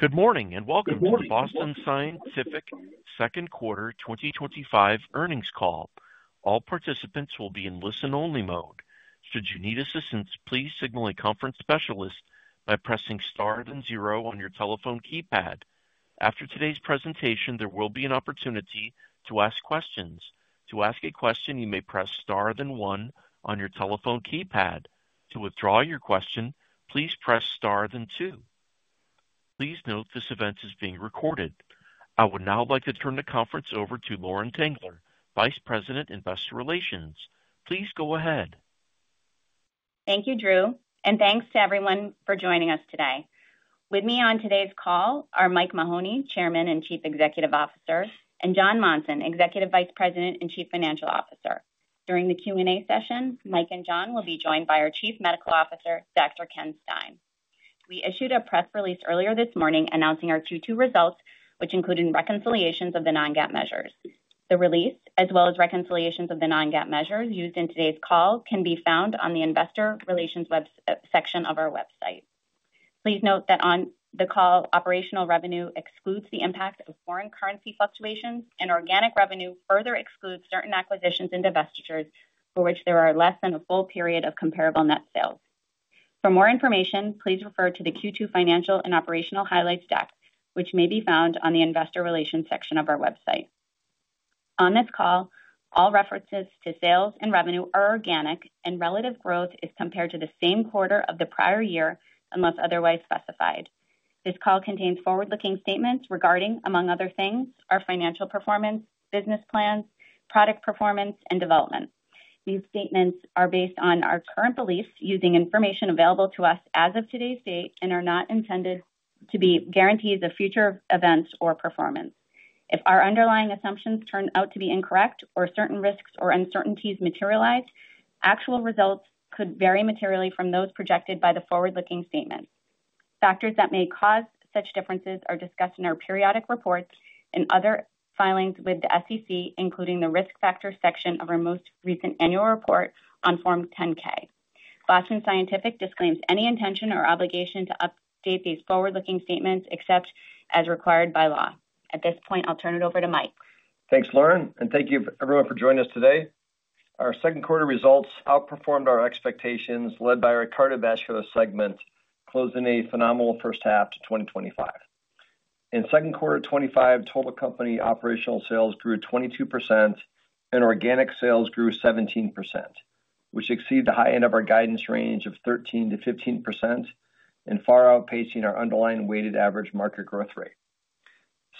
Good morning and welcome to the Boston Scientific Second Quarter 2025 earnings call. All participants will be in listen-only mode. Should you need assistance, please signal a conference specialist by pressing star then zero on your telephone keypad. After today's presentation, there will be an opportunity to ask questions. To ask a question, you may press star then one on your telephone keypad. To withdraw your question, please press star then two. Please note this event is being recorded. I would now like to turn the conference over to Lauren Tengler, Vice President, Investor Relations. Please go ahead. Thank you, Drew, and thanks to everyone for joining us today. With me on today's call are Mike Mahoney, Chairman and Chief Executive Officer, and Jon Monson, Executive Vice President and Chief Financial Officer. During the Q&A session, Mike and Jon will be joined by our Chief Medical Officer, Dr. Ken Stein. We issued a press release earlier this morning announcing our Q2 results, which included reconciliations of the non-GAAP measures. The release, as well as reconciliations of the non-GAAP measures used in today's call, can be found on the Investor Relations section of our website. Please note that on the call, operational revenue excludes the impact of foreign currency fluctuations, and organic revenue further excludes certain acquisitions and divestitures for which there are less than a full period of comparable net sales. For more information, please refer to the Q2 Financial and Operational Highlights Deck, which may be found on the Investor Relations section of our website. On this call, all references to sales and revenue are organic, and relative growth is compared to the same quarter of the prior year unless otherwise specified. This call contains forward-looking statements regarding, among other things, our financial performance, business plans, product performance, and development. These statements are based on our current beliefs using information available to us as of today's date and are not intended to be guarantees of future events or performance. If our underlying assumptions turn out to be incorrect or certain risks or uncertainties materialize, actual results could vary materially from those projected by the forward-looking statements. Factors that may cause such differences are discussed in our periodic reports and other filings with the SEC, including the risk factors section of our most recent annual report on Form 10-K. Boston Scientific disclaims any intention or obligation to update these forward-looking statements except as required by law. At this point, I'll turn it over to Mike. Thanks, Lauren, and thank you, everyone, for joining us today. Our second-quarter results outperformed our expectations, led by our cardiovascular segment, closing a phenomenal first half to 2025. In second quarter 2025, total company operational sales grew 22%. Organic sales grew 17%, which exceeded the high end of our guidance range of 13%-15%, and far outpacing our underlying weighted average market growth rate.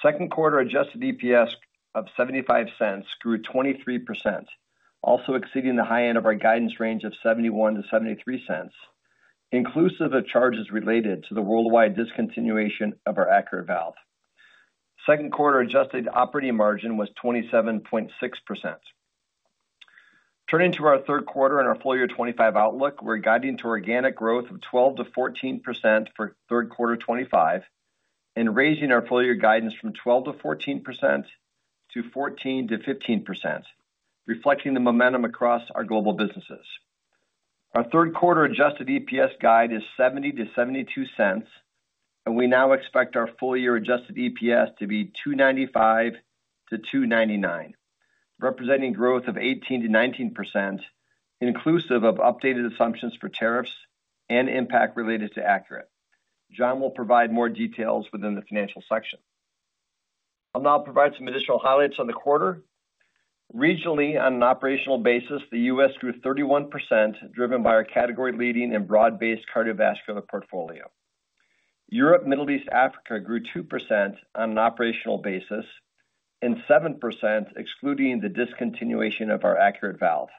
Second quarter adjusted EPS of $0.75 grew 23%, also exceeding the high end of our guidance range of $0.71-$0.73, inclusive of charges related to the worldwide discontinuation of our ACURATE valve. Second quarter adjusted operating margin was 27.6%. Turning to our third quarter and our full year 2025 outlook, we're guiding to organic growth of 12%-14% for third quarter 2025, and raising our full year guidance from 12%-14% to 14%-15%, reflecting the momentum across our global businesses. Our third quarter adjusted EPS guide is $0.70-$0.72, and we now expect our full year adjusted EPS to be $2.95-$2.99, representing growth of 18%-19%, inclusive of updated assumptions for tariffs and impact related to Acurate. Jon will provide more details within the financial section. I'll now provide some additional highlights on the quarter. Regionally, on an operational basis, the U.S. grew 31%, driven by our category-leading and broad-based cardiovascular portfolio. Europe, Middle East, and Africa grew 2% on an operational basis and 7%, excluding the discontinuation of our ACURATE valve.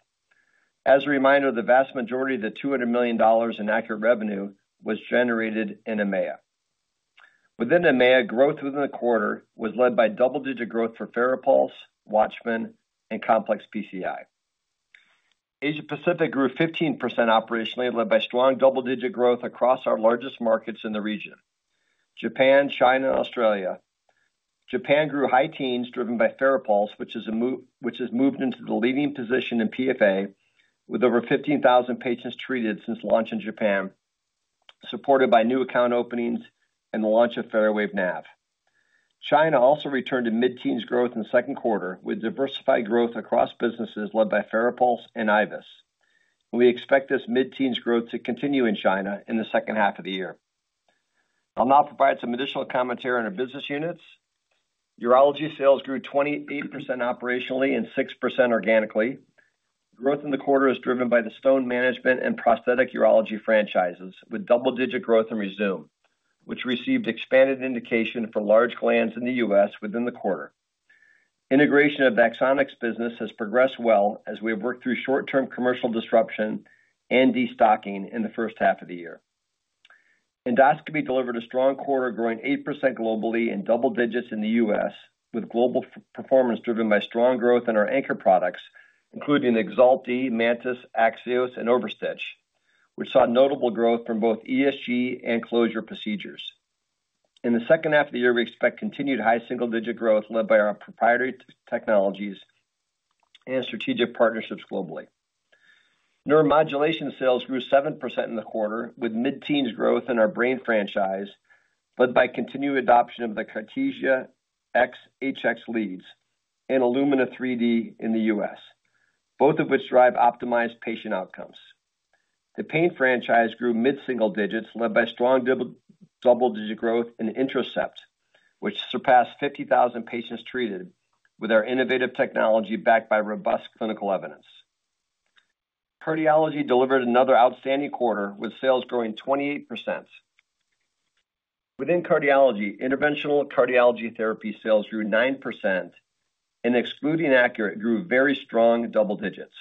As a reminder, the vast majority of the $200 million in ACURATE revenue was generated in EMEA. Within EMEA, growth within the quarter was led by double-digit growth for, Watchman, and Complex PCI. Asia-Pacific grew 15% operationally, led by strong double-digit growth across our largest markets in the region: Japan, China, and Australia. Japan grew high teens, driven by FARAPULSE, which has moved into the leading position in PFA, with over 15,000 patients treated since launch in Japan, supported by new account openings and the launch of FARAPULSE NAV. China also returned to mid-teens growth in the second quarter, with diversified growth across businesses led by FARAPULSE and IVUS. We expect this mid-teens growth to continue in China in the second half of the year. I'll now provide some additional commentary on our business units. Urology sales grew 28% operationally and 6% organically. Growth in the quarter is driven by the stone management and prosthetic urology franchises, with double-digit growth in Rezūm, which received expanded indication for large glands in the U.S. within the quarter. Integration of Axonics business has progressed well as we have worked through short-term commercial disruption and destocking in the first half of the year. Endoscopy delivered a strong quarter, growing 8% globally and double digits in the U.S., with global performance driven by strong growth in our anchor products, including Xulti, Mantis, Axios, and OverStitch, which saw notable growth from both ESG and closure procedures. In the second half of the year, we expect continued high single-digit growth, led by our proprietary technologies and strategic partnerships globally. Neuromodulation sales grew 7% in the quarter, with mid-teens growth in our brain franchise, led by continued adoption of the Cartesia X HX leads and Illumina 3D in the U.S., both of which drive optimized patient outcomes. The pain franchise grew mid-single digits, led by strong double-digit growth in Intracept, which surpassed 50,000 patients treated with our innovative technology backed by robust clinical evidence. Cardiology delivered another outstanding quarter, with sales growing 28%. Within cardiology, interventional cardiology therapy sales grew 9%, and excluding ACURATE grew very strong double-digits.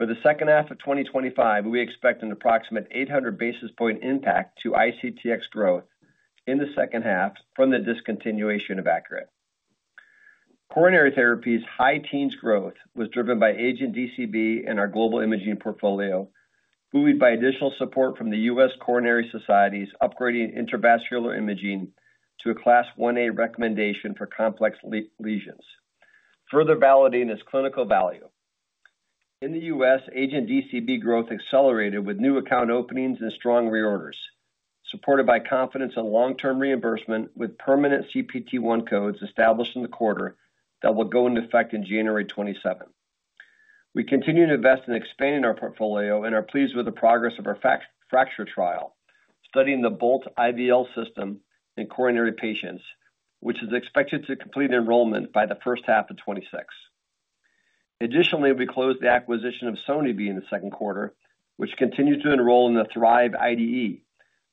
For the second half of 2025, we expect an approximate 800 basis point impact to ICTX growth in the second half from the discontinuation of Acurate. Coronary therapy's high teens growth was driven by AGENT DCB and our global imaging portfolio, buoyed by additional support from the U.S. Coronary Society's upgrading intravascular imaging to a Class I A recommendation for complex lesions, further validating its clinical value. In the U.S., AGENT DCB growth accelerated with new account openings and strong reorders, supported by confidence in long-term reimbursement with permanent CPT-1 codes established in the quarter that will go into effect in January 2027. We continue to invest in expanding our portfolio and are pleased with the progress of our fracture trial, studying the Bolt IVL system in coronary patients, which is expected to complete enrollment by the first half of 2026. Additionally, we closed the acquisition of SoniVie in the second quarter, which continues to enroll in the Thrive IDE,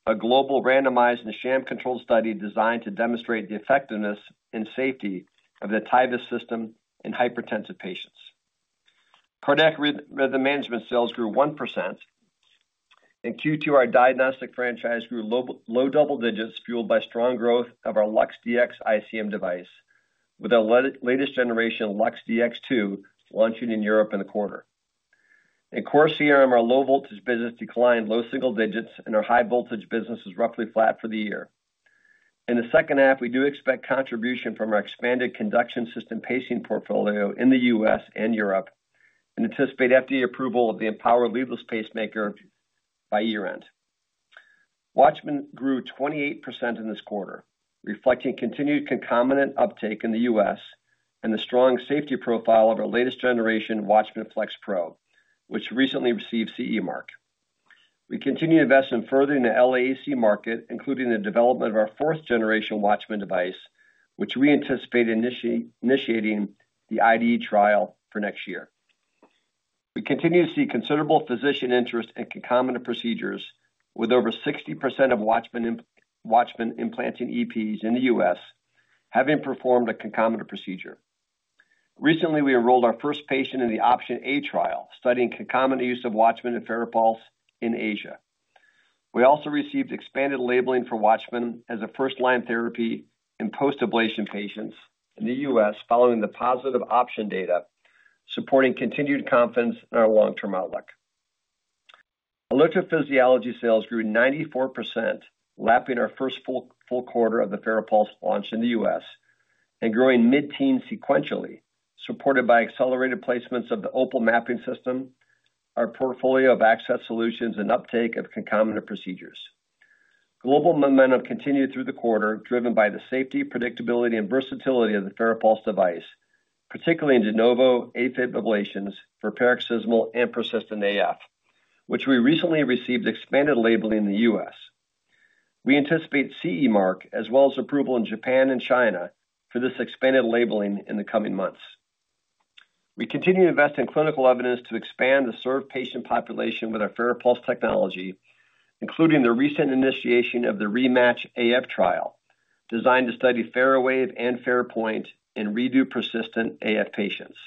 a global randomized and sham-controlled study designed to demonstrate the effectiveness and safety of the TIVUS system in hypertensive patients. Cardiac rhythm management sales grew 1%, and in Q2 our diagnostic franchise grew low double-digits, fueled by strong growth of our Lux-DX ICM device with our latest generation Lux-DX2 launching in Europe in the quarter. In core CRM, our low voltage business declined low single digits, and our high voltage business is roughly flat for the year. In the second half, we do expect contribution from our expanded conduction system pacing portfolio in the U.S. and Europe and anticipate FDA approval of the Empowered Leadless Pacemaker by year-end. WATCHMAN grew 28% in this quarter, reflecting continued concomitant uptake in the U.S. and the strong safety profile of our latest generation WATCHMAN Flex Pro, which recently received CE mark. We continue to invest in furthering the LAAC market, including the development of our fourth-generation WATCHMANdevice, which we anticipate initiating the IDE trial for next year. We continue to see considerable physician interest in concomitant procedures, with over 60% of WATCHMAN implanting EPs in the U.S. having performed a concomitant procedure. Recently, we enrolled our first patient in the OPTION A trial, studying concomitant use of WATCHMAN and FARAPULSE in Asia. We also received expanded labeling for WATCHMAN as a first-line therapy in post-ablation patients in the U.S. Following the positive OPTION data, supporting continued confidence in our long-term outlook. Electrophysiology sales grew 94%, lapping our first full quarter of the FARAPULSE launch in the U.S. and growing mid-teens sequentially, supported by accelerated placements of the OPAL mapping system, our portfolio of access solutions, and uptake of concomitant procedures. Global momentum continued through the quarter, driven by the safety, predictability, and versatility of the FARAPULSE device, particularly in de novo AFib ablations for paroxysmal and persistent AF, for which we recently received expanded labeling in the U.S. We anticipate CE mark as well as approval in Japan and China for this expanded labeling in the coming months. We continue to invest in clinical evidence to expand the served patient population with our FARAPULSE technology, including the recent initiation of the Rematch AF trial, designed to study FARAPULSE and FARAPOINT in redo persistent AF patients,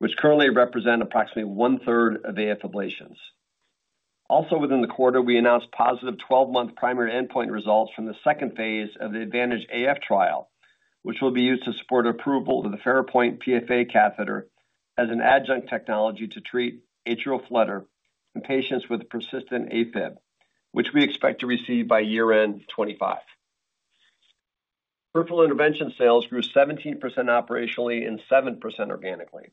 which currently represent approximately one-third of AF ablations. Also, within the quarter, we announced positive 12-month primary endpoint results from the second phase of the Advantage AF trial, which will be used to support approval of the FARAPOINT PFA catheter as an adjunct technology to treat atrial flutter in patients with persistent AFib, which we expect to receive by year-end 2025. Peripheral intervention sales grew 17% operationally and 7% organically.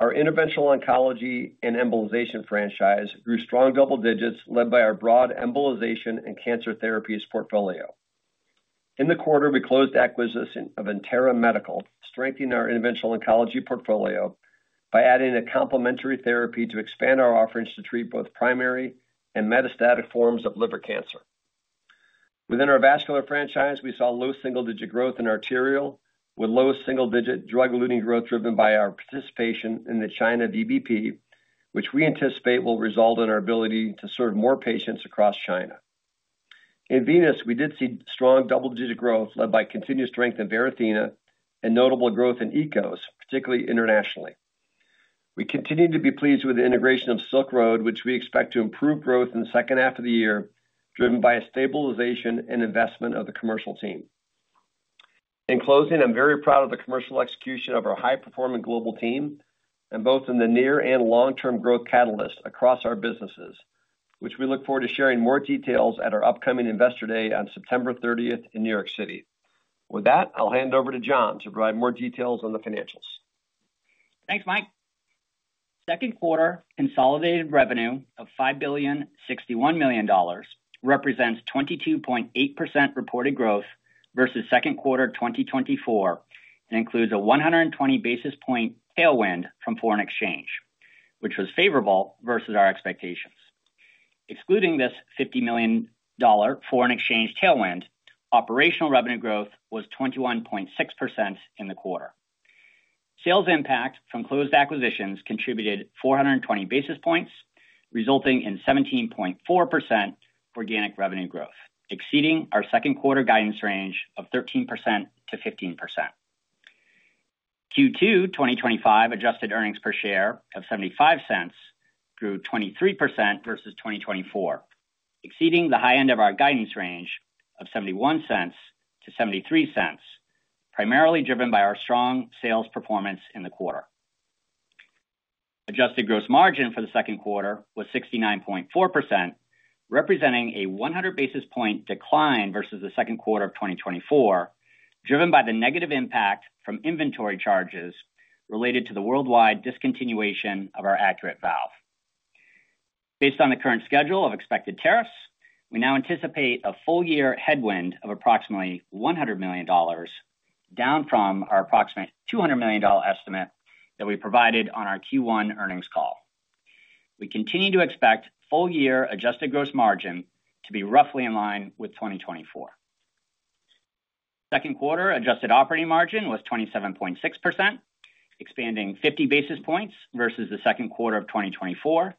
Our interventional oncology and embolization franchise grew strong double-digits, led by our broad embolization and cancer therapies portfolio. In the quarter, we closed the acquisition of Intera Medical, strengthening our interventional oncology portfolio by adding a complementary therapy to expand our offerings to treat both primary and metastatic forms of liver cancer. Within our vascular franchise, we saw low single-digit growth in arterial, with low single-digit drug-eluting growth driven by our participation in the China DCB, which we anticipate will result in our ability to serve more patients across China. In venous, we did see strong double-digit growth, led by continued strength in Varithena and notable growth in ECOS, particularly internationally. We continue to be pleased with the integration of Silk Road, which we expect to improve growth in the second half of the year, driven by stabilization and investment of the commercial team. In closing, I'm very proud of the commercial execution of our high-performing global team and both in the near and long-term growth catalysts across our businesses, which we look forward to sharing more details at our upcoming investor day on September 30th in New York City. With that, I'll hand over to Jon to provide more details on the financials. Thanks, Mike. Second quarter consolidated revenue of $5,061 million represents 22.8% reported growth versus second quarter 2024 and includes a 120 basis point tailwind from foreign exchange, which was favorable versus our expectations. Excluding this $50 million foreign exchange tailwind, operational revenue growth was 21.6% in the quarter. Sales impact from closed acquisitions contributed 420 basis points, resulting in 17.4% organic revenue growth, exceeding our second quarter guidance range of 13%-15%. Q2 2025 adjusted earnings per share of $0.75 grew 23% versus 2024, exceeding the high end of our guidance range of $0.71-$0.73, primarily driven by our strong sales performance in the quarter. Adjusted gross margin for the second quarter was 69.4%, representing a 100 basis point decline versus the second quarter of 2024, driven by the negative impact from inventory charges related to the worldwide discontinuation of our ACURATE valve. Based on the current schedule of expected tariffs, we now anticipate a full year headwind of approximately $100 million, down from our approximate $200 million estimate that we provided on our Q1 earnings call. We continue to expect full year adjusted gross margin to be roughly in line with 2024. Second quarter adjusted operating margin was 27.6%, expanding 50 basis points versus the second quarter of 2024,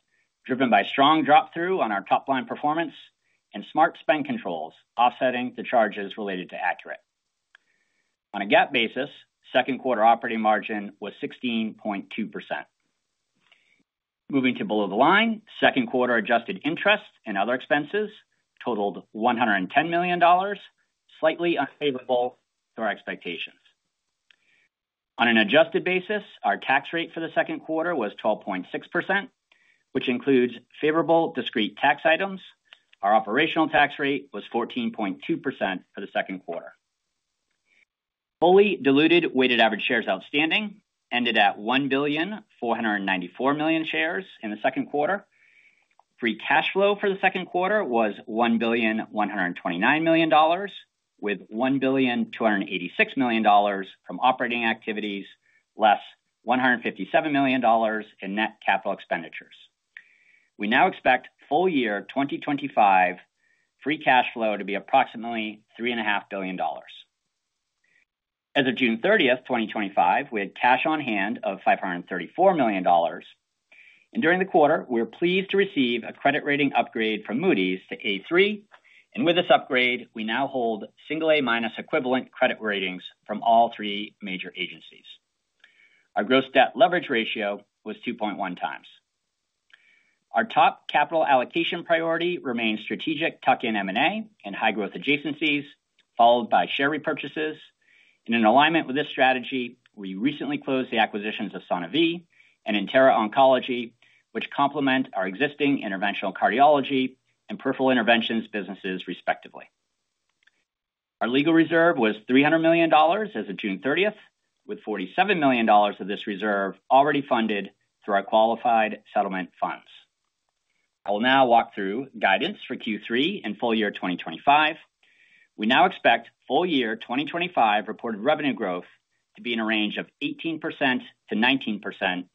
driven by strong drop-through on our top-line performance and smart spend controls, offsetting the charges related to Acurate. On a GAAP basis, second quarter operating margin was 16.2%. Moving to below the line, second quarter adjusted interest and other expenses totaled $110 million, slightly unfavorable to our expectations. On an adjusted basis, our tax rate for the second quarter was 12.6%, which includes favorable discrete tax items. Our operational tax rate was 14.2% for the second quarter. Fully diluted weighted average shares outstanding ended at 1,494,000,000 shares in the second quarter. Free cash flow for the second quarter was $1,129,000,000, with $1,286,000,000 from operating activities, less $157,000,000 in net capital expenditures. We now expect full year 2025 free cash flow to be approximately $3.5 billion. As of June 30th, 2025, we had cash on hand of $534,000,000. During the quarter, we were pleased to receive a credit rating upgrade from Moody's to A3. With this upgrade, we now hold single-A minus equivalent credit ratings from all three major agencies. Our gross debt leverage ratio was 2.1 times. Our top capital allocation priority remains strategic tuck-in M&A and high-growth adjacencies, followed by share repurchases. In alignment with this strategy, we recently closed the acquisitions of SoniVie and Intera Medical, which complement our existing interventional cardiology and peripheral interventions businesses, respectively. Our legal reserve was $300 million as of June 30th, with $47 million of this reserve already funded through our qualified settlement funds. I will now walk through guidance for Q3 and full year 2025. We now expect full year 2025 reported revenue growth to be in a range of 18%-19%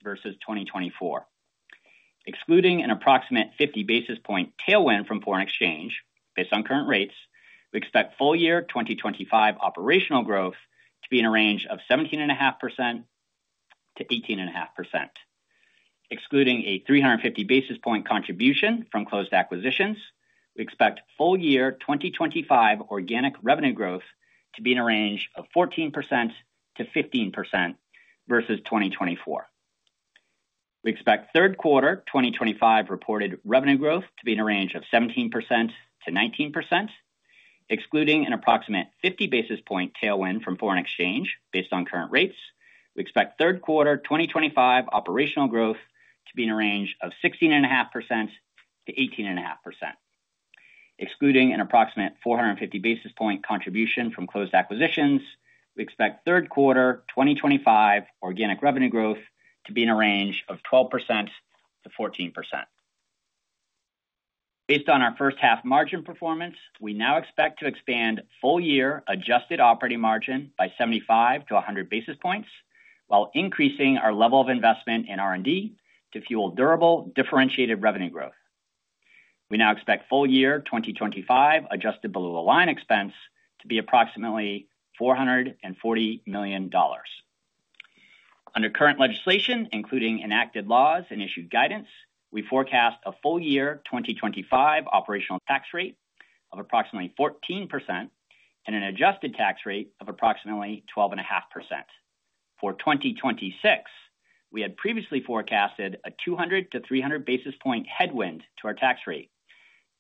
versus 2024. Excluding an approximate 50 basis point tailwind from foreign exchange, based on current rates, we expect full year 2025 operational growth to be in a range of 17.5%-18.5%. Excluding a 350 basis point contribution from closed acquisitions, we expect full year 2025 organic revenue growth to be in a range of 14%-15% versus 2024. We expect third quarter 2025 reported revenue growth to be in a range of 17%-19%. Excluding an approximate 50 basis point tailwind from foreign exchange, based on current rates, we expect third quarter 2025 operational growth to be in a range of 16.5%-18.5%. Excluding an approximate 450 basis point contribution from closed acquisitions, we expect third quarter 2025 organic revenue growth to be in a range of 12%-14%. Based on our first-half margin performance, we now expect to expand full year adjusted operating margin by 75 bases point-100 basis points, while increasing our level of investment in R&D to fuel durable differentiated revenue growth. We now expect full year 2025 adjusted below the line expense to be approximately $440 million. Under current legislation, including enacted laws and issued guidance, we forecast a full year 2025 operational tax rate of approximately 14% and an adjusted tax rate of approximately 12.5%. For 2026, we had previously forecasted a 200 basis point-300 basis point headwind to our tax rate,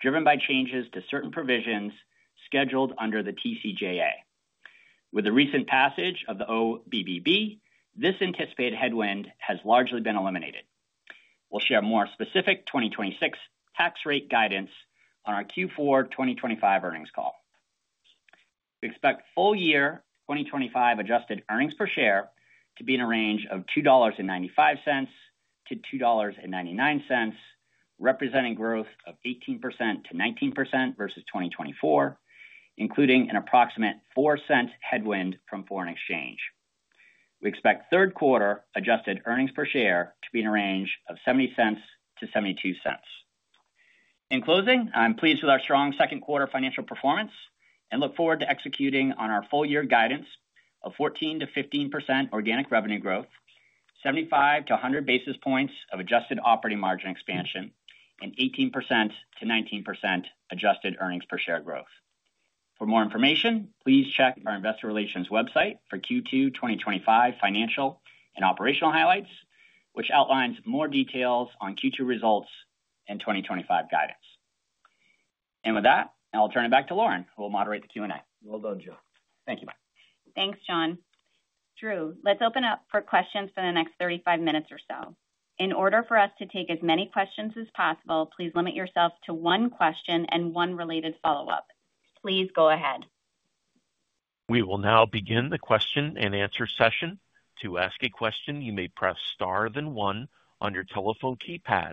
driven by changes to certain provisions scheduled under the TCJA. With the recent passage of the OBBB, this anticipated headwind has largely been eliminated. We'll share more specific 2026 tax rate guidance on our Q4 2025 earnings call. We expect full year 2025 adjusted earnings per share to be in a range of $2.95-$2.99, representing growth of 18%-19% versus 2024, including an approximate 4 cents headwind from foreign exchange. We expect third quarter adjusted earnings per share to be in a range of $0.70-$0.72. In closing, I'm pleased with our strong second quarter financial performance and look forward to executing on our full year guidance of 14%-15% organic revenue growth, 75 basis point-100 basis points of adjusted operating margin expansion, and 18%-19% adjusted earnings per share growth. For more information, please check our investor relations website for Q2 2025 financial and operational highlights, which outlines more details on Q2 results and 2025 guidance. With that, I'll turn it back to Lauren, who will moderate the Q&A. Well done, Jon. Thank you, Mike. Thanks, Jon. Drew, let's open up for questions for the next 35 minutes or so. In order for us to take as many questions as possible, please limit yourself to one question and one related follow-up. Please go ahead. We will now begin the question and answer session. To ask a question, you may press star then one on your telephone keypad.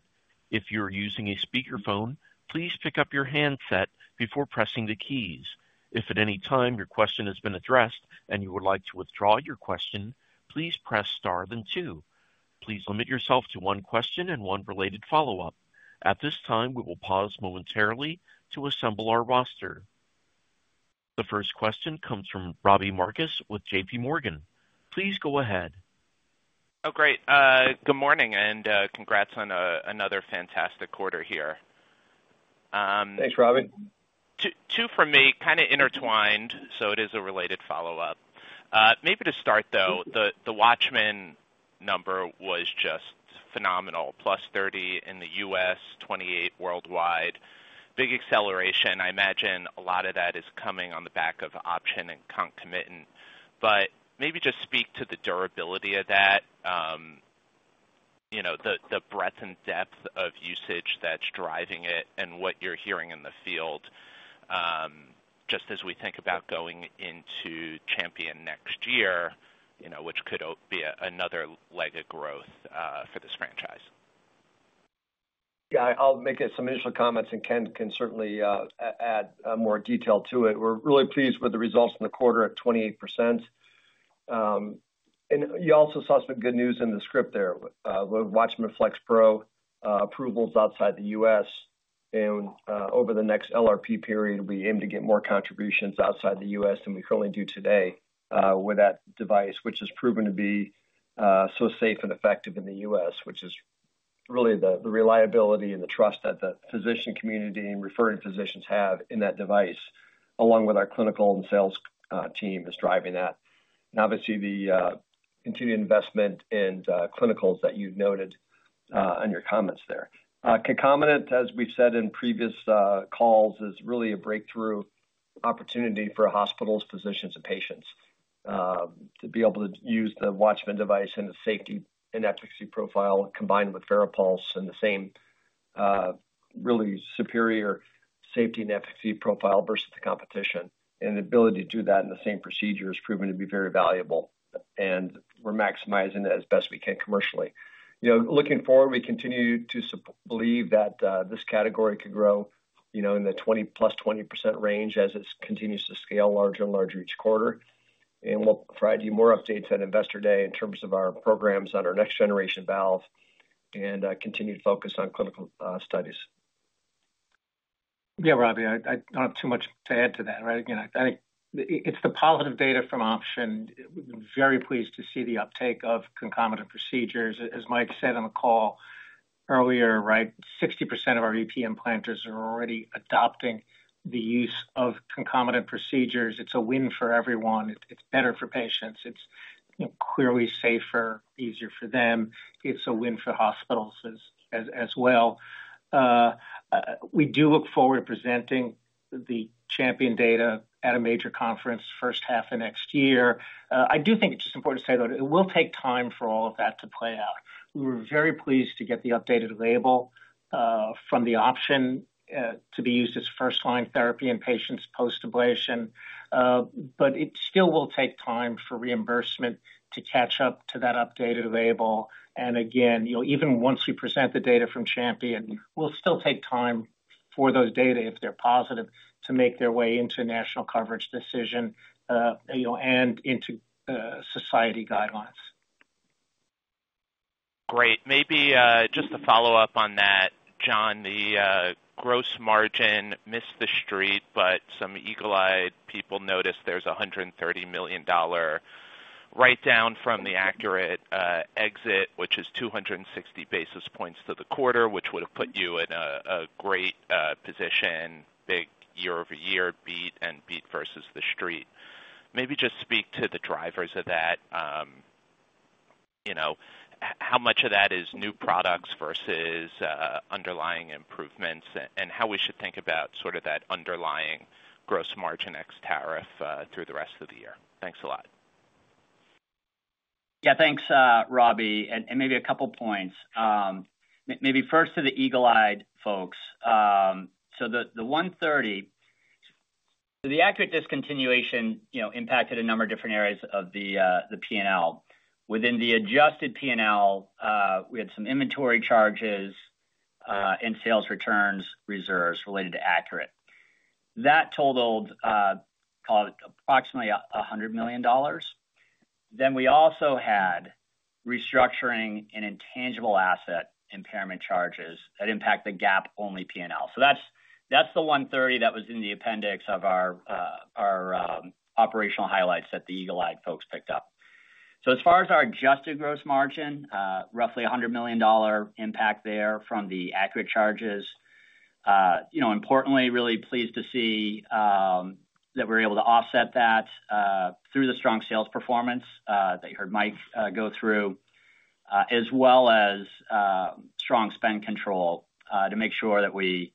If you're using a speakerphone, please pick up your handset before pressing the keys. If at any time your question has been addressed and you would like to withdraw your question, please press star then two. Please limit yourself to one question and one related follow-up. At this time, we will pause momentarily to assemble our roster. The first question comes from Robbie Marcus with JP Morgan. Please go ahead. Oh, great. Good morning and congrats on another fantastic quarter here. Thanks, Robbie. Two for me kind of intertwined, so it is a related follow-up. Maybe to start, though, the WATCHMAN number was just phenomenal. Plus 30% in the U.S., 28% worldwide. Big acceleration. I imagine a lot of that is coming on the back of OPTION and concomitant. Maybe just speak to the durability of that. The breadth and depth of usage that's driving it and what you're hearing in the field. Just as we think about going into Champion next year, which could be another leg of growth for this franchise. Yeah, I'll make some initial comments and Ken can certainly add more detail to it. We're really pleased with the results in the quarter at 28%. You also saw some good news in the script there. WATCHMAN Flex Pro approvals outside the U.S. Over the next LRP period, we aim to get more contributions outside the U.S. than we currently do today with that device, which has proven to be so safe and effective in the U.S., which is really the reliability and the trust that the physician community and referring physicians have in that device, along with our clinical and sales team, is driving that. Obviously, the continued investment in clinicals that you noted on your comments there. Concomitant, as we've said in previous calls, is really a breakthrough opportunity for hospitals, physicians, and patients. To be able to use the WATCHMAN device in a safety and efficacy profile combined with FARAPULSE and the same really superior safety and efficacy profile versus the competition. The ability to do that in the same procedure has proven to be very valuable. We're maximizing it as best we can commercially. Looking forward, we continue to believe that this category could grow in the 20% + 20% range as it continues to scale larger and larger each quarter. We'll try to do more updates at Investor Day in terms of our programs on our next generation valve and continued focus on clinical studies. Yeah, Robbie, I don't have too much to add to that. Right? Again, I think it's the positive data from OPTION. We're very pleased to see the uptake of concomitant procedures. As Mike said on the call earlier, right, 60% of our U.S. implantors are already adopting the use of concomitant procedures. It's a win for everyone. It's better for patients. It's clearly safer, easier for them. It's a win for hospitals as well. We do look forward to presenting the Champion data at a major conference first half of next year. I do think it's just important to say, though, it will take time for all of that to play out. We were very pleased to get the updated label from the OPTION to be used as first-line therapy in patients post-ablation. It still will take time for reimbursement to catch up to that updated label. Again, even once we present the data from Champion, it will still take time for those data, if they're positive, to make their way into national coverage decision and into society guidelines. Great. Maybe just to follow up on that, Jon, the gross margin missed the street, but some eagle-eyed people noticed there's a $130 million write-down from the ACURATE exit, which is 260 basis points to the quarter, which would have put you in a great position. Big year-over-year beat and beat versus the street. Maybe just speak to the drivers of that. How much of that is new products versus underlying improvements and how we should think about sort of that underlying gross margin ex tariff through the rest of the year. Thanks a lot. Yeah, thanks, Robbie. Maybe a couple of points. Maybe first to the eagle-eyed folks. The 130. The ACURATE discontinuation impacted a number of different areas of the P&L. Within the adjusted P&L, we had some inventory charges and sales returns reserves related to Acurate. That totaled approximately $100 million. Then we also had restructuring and intangible asset impairment charges that impact the GAAP-only P&L. That's the 130 that was in the appendix of our operational highlights that the eagle-eyed folks picked up. As far as our adjusted gross margin, roughly $100 million impact there from the ACURATE charges. Importantly, really pleased to see that we're able to offset that through the strong sales performance that you heard Mike go through, as well as strong spend control to make sure that we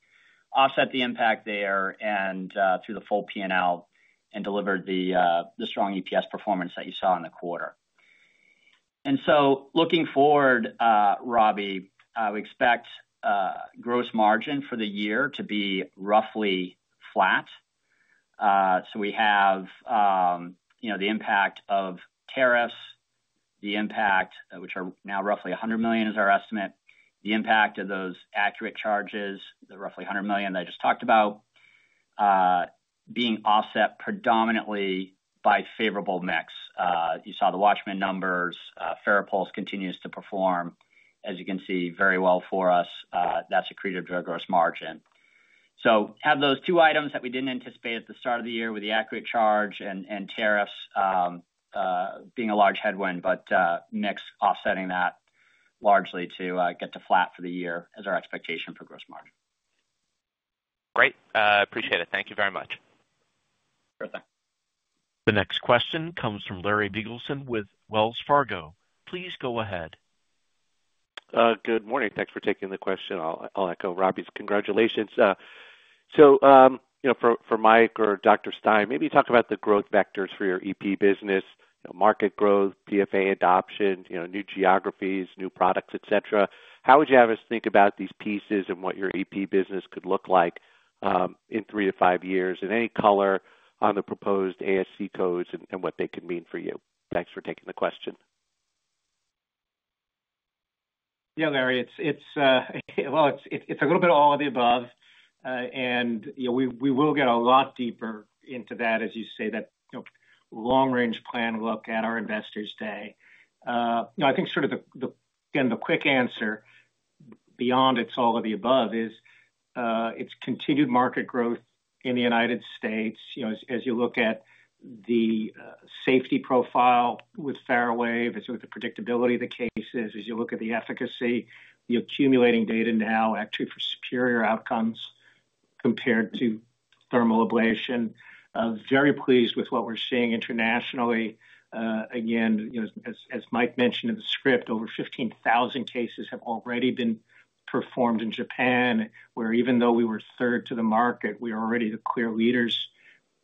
offset the impact there and through the full P&L and delivered the strong EPS performance that you saw in the quarter. Looking forward, Robbie, we expect gross margin for the year to be roughly flat. We have the impact of tariffs, which are now roughly $100 million is our estimate, the impact of those ACURATE charges, the roughly $100 million that I just talked about, being offset predominantly by favorable mix. You saw the WATCHMAN numbers. FARAPULSE continues to perform, as you can see, very well for us. That's accretive to gross margin. We have those two items that we didn't anticipate at the start of the year with the ACURATE charge and tariffs being a large headwind, but mix offsetting that largely to get to flat for the year as our expectation for gross margin. Great. Appreciate it. Thank you very much. The next question comes from Larry Biegelsen with Wells Fargo. Please go ahead. Good morning. Thanks for taking the question. I'll echo Robbie's. Congratulations. For Mike or Dr. Stein, maybe talk about the growth vectors for your EP business, market growth, PFA adoption, new geographies, new products, etc. How would you have us think about these pieces and what your EP business could look like in three to five years, and any color on the proposed ASC codes and what they could mean for you? Thanks for taking the question. Yeah, Larry, it's a little bit of all of the above. We will get a lot deeper into that, as you say, that long-range plan look at our Investors' Day. I think sort of, again, the quick answer beyond it's all of the above is it's continued market growth in the United States. As you look at the safety profile with FARAWAVE, it's with the predictability of the cases. As you look at the efficacy, the accumulating data now actually for superior outcomes compared to thermal ablation. Very pleased with what we're seeing internationally. Again, as Mike mentioned in the script, over 15,000 cases have already been performed in Japan, where even though we were third to the market, we are already the clear leaders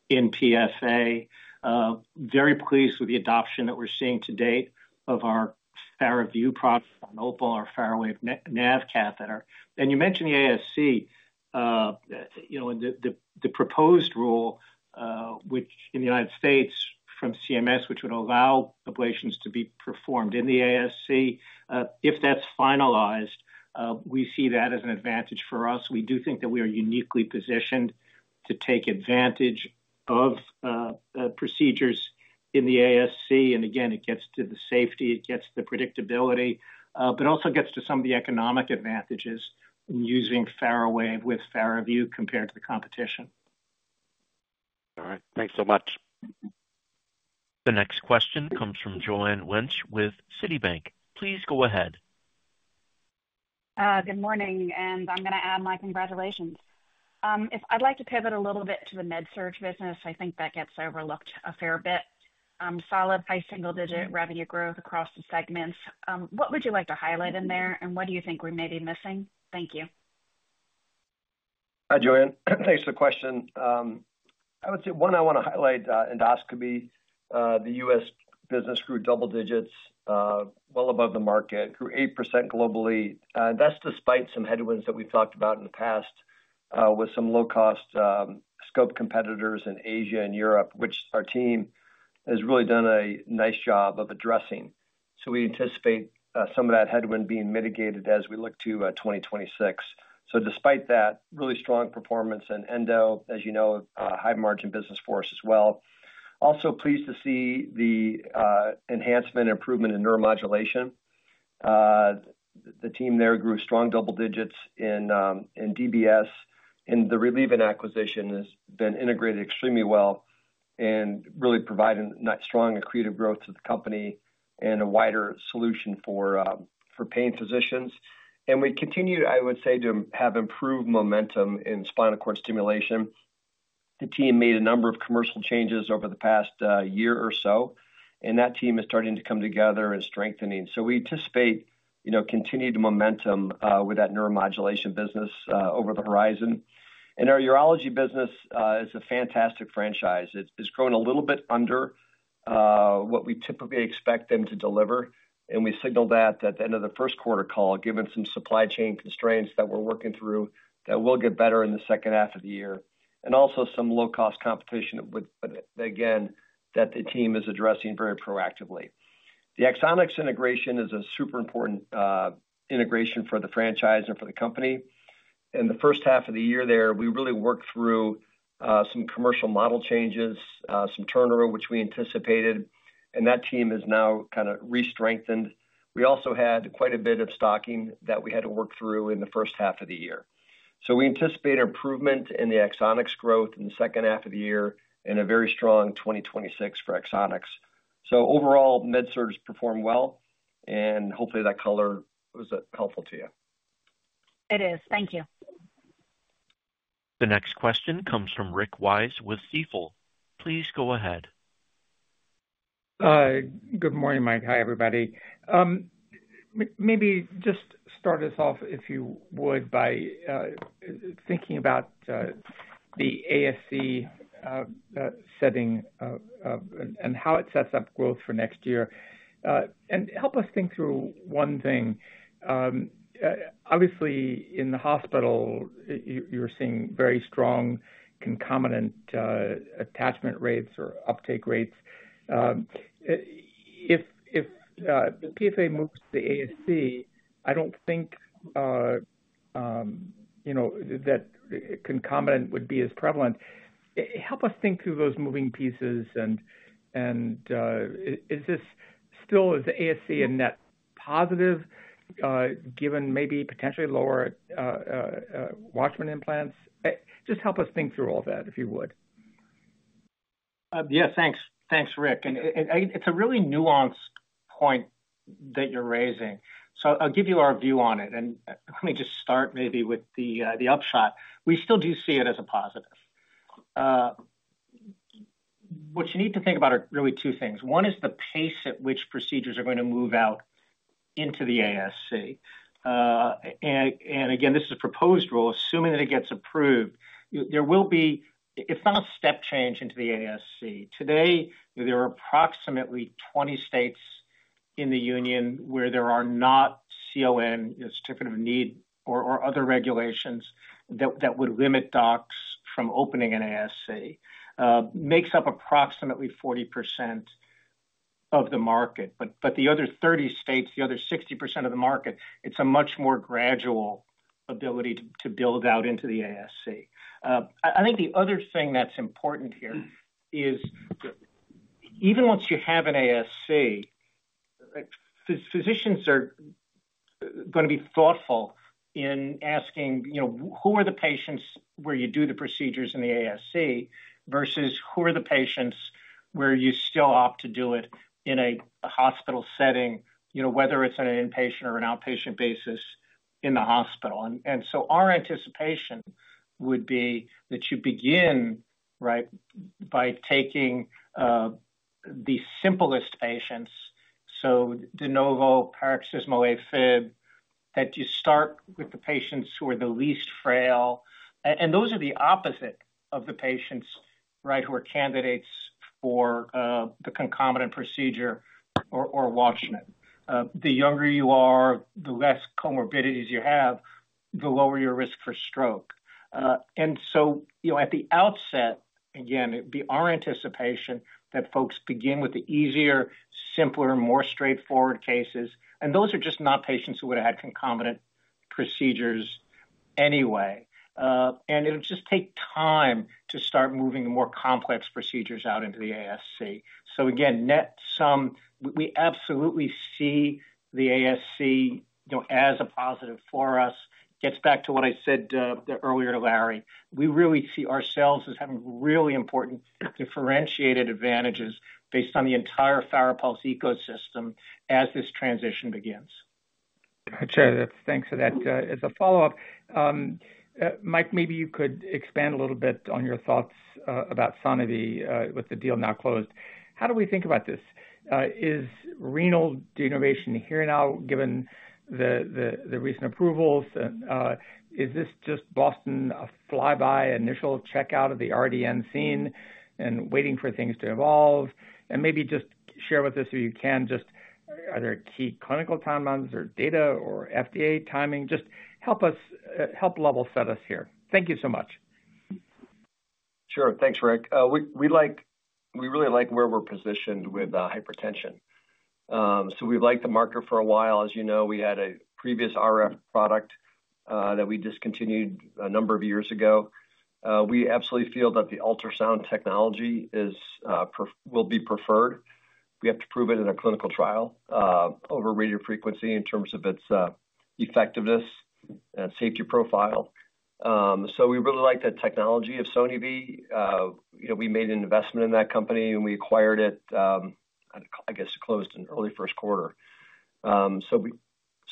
in PFA. Very pleased with the adoption that we're seeing to date of our FARAVIEW product on OPAL, our FARAWAVE NAV catheter. You mentioned the ASC. The proposed rule, which in the United States from CMS, which would allow ablations to be performed in the ASC, if that's finalized, we see that as an advantage for us. We do think that we are uniquely positioned to take advantage of procedures in the ASC. It gets to the safety, it gets to the predictability, but also gets to some of the economic advantages in using FARRAWAVE with FARAVIEW compared to the competition. All right. Thanks so much. The next question comes from Joanne Wuensch with Citibank. Please go ahead. Good morning. I'm going to add my congratulations. I'd like to pivot a little bit to the MedSurg business. I think that gets overlooked a fair bit. Solid high single-digit revenue growth across the segments. What would you like to highlight in there, and what do you think we may be missing? Thank you. Hi, Joanne. Thanks for the question. I would say one I want to highlight, endoscopy, the U.S. business grew double-digits, well above the market, grew 8% globally. That is despite some headwinds that we have talked about in the past, with some low-cost scope competitors in Asia and Europe, which our team has really done a nice job of addressing. We anticipate some of that headwind being mitigated as we look to 2026. Despite that, really strong performance in endo, as you know, high margin business for us as well. Also pleased to see the enhancement and improvement in neuromodulation. The team there grew strong double-digits in DBS, and the Relievant acquisition has been integrated extremely well and really providing strong accretive growth to the company and a wider solution for pain physicians. We continue, I would say, to have improved momentum in spinal cord stimulation. The team made a number of commercial changes over the past year or so, and that team is starting to come together and strengthening. We anticipate continued momentum with that neuromodulation business over the horizon. Our urology business is a fantastic franchise. It has grown a little bit under what we typically expect them to deliver, and we signaled that at the end of the first quarter call, given some supply chain constraints that we are working through, that will get better in the second half of the year, and also some low-cost competition, again, that the team is addressing very proactively. The Axonics integration is a super important integration for the franchise and for the company. In the first half of the year there, we really worked through some commercial model changes, some turnaround, which we anticipated, and that team is now kind of restrengthened. We also had quite a bit of stocking that we had to work through in the first half of the year. We anticipate improvement in the Axonics growth in the second half of the year and a very strong 2026 for Axonics. Overall, MedSurg performed well, and hopefully that color was helpful to you. It is. Thank you. The next question comes from Rick Wise with Stifel. Please go ahead. Good morning, Mike. Hi, everybody. Maybe just start us off, if you would, by thinking about the ASC setting and how it sets up growth for next year. Help us think through one thing. Obviously, in the hospital, you're seeing very strong concomitant attachment rates or uptake rates. If the PFA moves to the ASC, I don't think that concomitant would be as prevalent. Help us think through those moving pieces. Is this still, is the ASC a net positive given maybe potentially lower WATCHMAN implants? Just help us think through all that, if you would. Yeah, thanks. Thanks, Rick. It's a really nuanced point that you're raising. I'll give you our view on it. Let me just start maybe with the upshot. We still do see it as a positive. What you need to think about are really two things. One is the pace at which procedures are going to move out into the ASC. Again, this is a proposed rule. Assuming that it gets approved, there will be, it's not a step change into the ASC. Today, there are approximately 20 states in the union where there are not CON, Certificate of Need, or other regulations that would limit docs from opening an ASC. Makes up approximately 40% of the market. The other 30 states, the other 60% of the market, it's a much more gradual ability to build out into the ASC. I think the other thing that's important here is even once you have an ASC, physicians are going to be thoughtful in asking who are the patients where you do the procedures in the ASC versus who are the patients where you still opt to do it in a hospital setting, whether it's on an inpatient or an outpatient basis in the hospital. Our anticipation would be that you begin by taking the simplest patients, so de novo, paroxysmal AFib, that you start with the patients who are the least frail. Those are the opposite of the patients who are candidates for the concomitant procedure or Watchman. The younger you are, the less comorbidities you have, the lower your risk for stroke. At the outset, again, it would be our anticipation that folks begin with the easier, simpler, more straightforward cases. Those are just not patients who would have had concomitant procedures anyway. It would just take time to start moving more complex procedures out into the ASC. Again, net sum, we absolutely see the ASC as a positive for us. Gets back to what I said earlier to Larry. We really see ourselves as having really important differentiated advantages based on the entire FARAPULSE ecosystem as this transition begins. Gotcha. Thanks for that. As a follow-up. Mike, maybe you could expand a little bit on your thoughts about SoniVie with the deal now closed. How do we think about this? Is renal denervation here now, given the recent approvals? Is this just Boston a flyby, initial checkout of the RDN scene and waiting for things to evolve? Maybe just share with us if you can, just are there key clinical timelines or data or FDA timing? Just help us, help level set us here. Thank you so much. Sure. Thanks, Rick. We really like where we're positioned with hypertension. We've liked the market for a while. As you know, we had a previous RF product that we discontinued a number of years ago. We absolutely feel that the ultrasound technology will be preferred. We have to prove it in a clinical trial over radio frequency in terms of its effectiveness and safety profile. We really like that technology of SoniVie. We made an investment in that company, and we acquired it. I guess, closed in early first quarter, so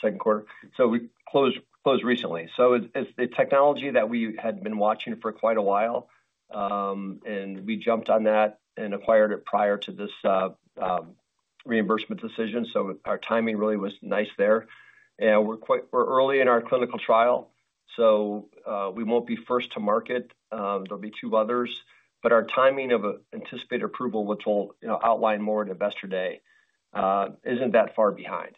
second quarter. We closed recently. It's a technology that we had been watching for quite a while. We jumped on that and acquired it prior to this reimbursement decision. Our timing really was nice there. We're early in our clinical trial. We won't be first to market. There will be two others. Our timing of anticipated approval, which we'll outline more in Investor Day, isn't that far behind.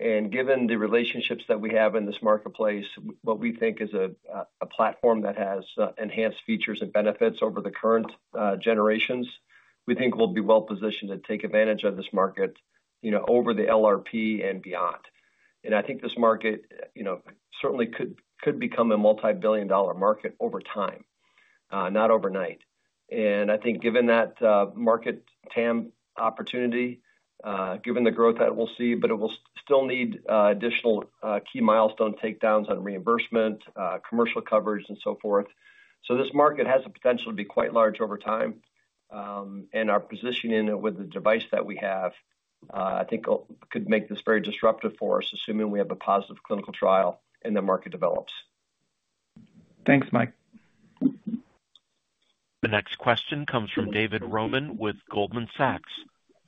Given the relationships that we have in this marketplace, what we think is a platform that has enhanced features and benefits over the current generations, we think we'll be well positioned to take advantage of this market over the LRP and beyond. I think this market certainly could become a multi-billion dollar market over time, not overnight. I think given that market TAM opportunity, given the growth that we'll see, it will still need additional key milestone takedowns on reimbursement, commercial coverage, and so forth. This market has the potential to be quite large over time. Our positioning with the device that we have, I think, could make this very disruptive for us, assuming we have a positive clinical trial and the market develops. Thanks, Mike. The next question comes from David Roman with Goldman Sachs.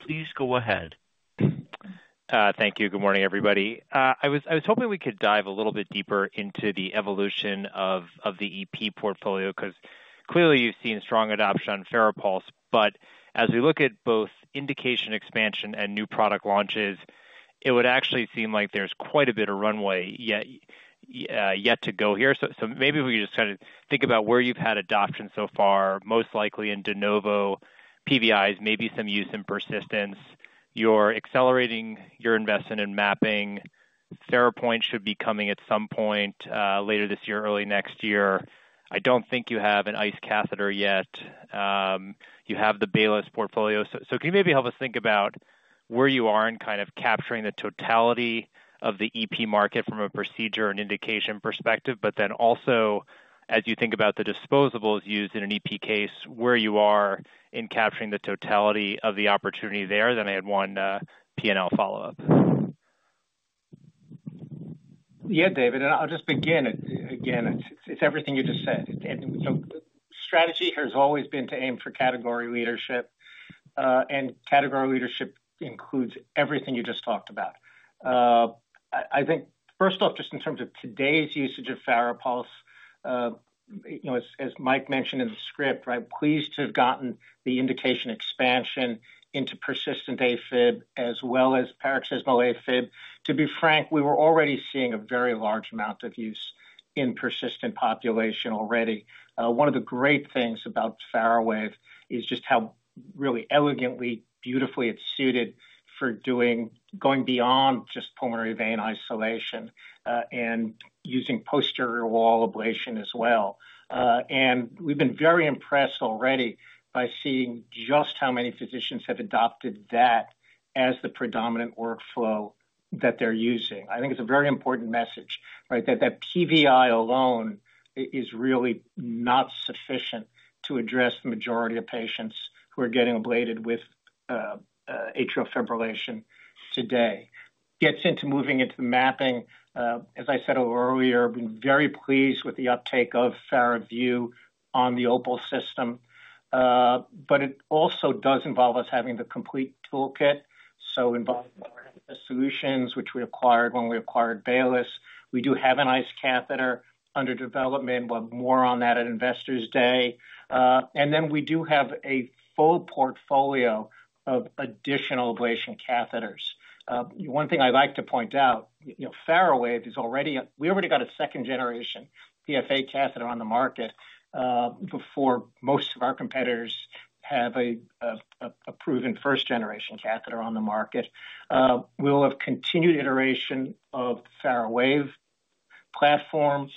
Please go ahead. Thank you. Good morning, everybody. I was hoping we could dive a little bit deeper into the evolution of the EP portfolio because clearly you've seen strong adoption on FARAPULSE. As we look at both indication expansion and new product launches, it would actually seem like there's quite a bit of runway yet to go here. Maybe we could just kind of think about where you've had adoption so far, most likely in de novo PVIs, maybe some use in persistence. You're accelerating your investment in mapping. FARAPOINT should be coming at some point later this year, early next year. I don't think you have an ICE catheter yet. You have the Baylis portfolio. Can you maybe help us think about where you are in kind of capturing the totality of the EP market from a procedure and indication perspective, but then also, as you think about the disposables used in an EP case, where you are in capturing the totality of the opportunity there? I had one P&L follow-up. Yeah, David. I'll just begin again. It's everything you just said. The strategy has always been to aim for category leadership. Category leadership includes everything you just talked about. First off, just in terms of today's usage of FARAPULSE. As Mike mentioned in the script, pleased to have gotten the indication expansion into persistent AFib as well as paroxysmal AFib. To be frank, we were already seeing a very large amount of use in the persistent population already. One of the great things about FARAWAVE is just how really elegantly, beautifully it's suited for going beyond just pulmonary vein isolation and using posterior wall ablation as well. We've been very impressed already by seeing just how many physicians have adopted that as the predominant workflow that they're using. I think it's a very important message that PVI alone is really not sufficient to address the majority of patients who are getting ablated with atrial fibrillation today. Gets into moving into the mapping. As I said earlier, we've been very pleased with the uptake of FARAVIEW on the OPAL system. It also does involve us having the complete toolkit, so involving our investor solutions, which we acquired when we acquired Baylis. We do have an ICE catheter under development, but more on that at Investors' Day. We do have a full portfolio of additional ablation catheters. One thing I'd like to point out, FARAWAVE is already, we already got a second-generation PFA catheter on the market before most of our competitors have a proven first-generation catheter on the market. We'll have continued iteration of FARAWAVEV platforms.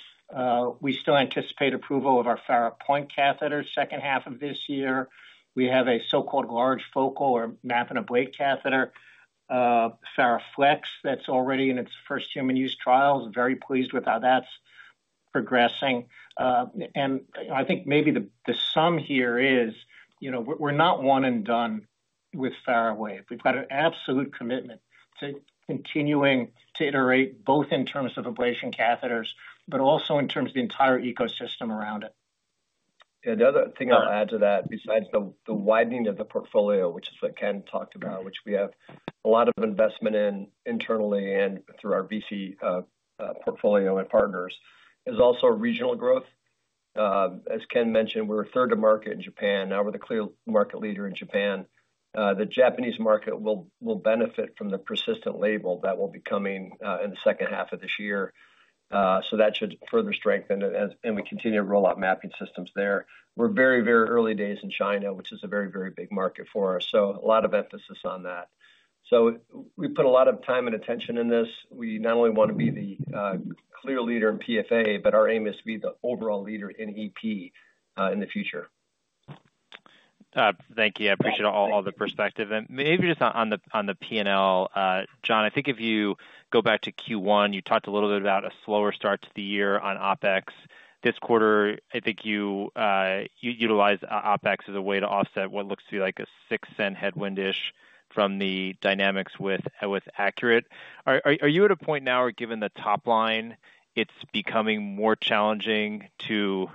We still anticipate approval of our FARAPOINT catheter second half of this year. We have a so-called large focal or map and ablate catheter, FARAFLEX, that's already in its first human use trials. Very pleased with how that's progressing. I think maybe the sum here is we're not one and done with FARAWAVE. We've got an absolute commitment to continuing to iterate both in terms of ablation catheters, but also in terms of the entire ecosystem around it. The other thing I'll add to that, besides the widening of the portfolio, which is what Ken talked about, which we have a lot of investment in internally and through our VC portfolio and partners, is also regional growth. As Ken mentioned, we're third to market in Japan. Now we're the clear market leader in Japan. The Japanese market will benefit from the persistent label that will be coming in the second half of this year. That should further strengthen it as we continue to roll out mapping systems there. We're very, very early days in China, which is a very, very big market for us. A lot of emphasis on that. We put a lot of time and attention in this. We not only want to be the clear leader in PFA, but our aim is to be the overall leader in EP in the future. Thank you. I appreciate all the perspective. Maybe just on the P&L, Jon, I think if you go back to Q1, you talked a little bit about a slower start to the year on OpEx. This quarter, I think you utilized OpEx as a way to offset what looks to be like a six-cent headwindish from the dynamics with Acurate. Are you at a point now where, given the top line, it's becoming more challenging to